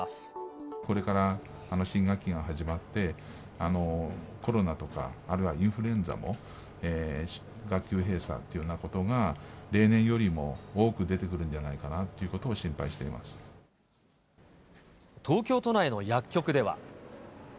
これから新学期が始まって、コロナとかあるいはインフルエンザも、学級閉鎖っていうようなことが、例年よりも多く出てくるんじゃないかなということを心配し東京都内の薬局では。